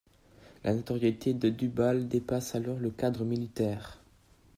La notoriété de Dubail dépasse alors le cadre militaire.